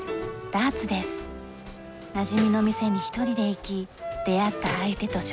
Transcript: なじみの店に一人で行き出会った相手と勝負する。